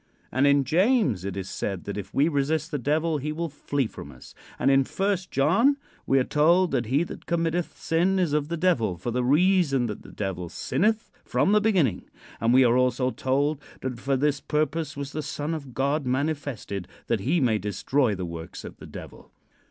And in James it is said that if we resist the Devil he will flee from us; and in First John we are told that he that committeth sin is of the Devil, for the reason that the Devil sinneth from the beginning; and we are also told that "for this purpose was the Son of God manifested, that he may destroy the works of the Devil."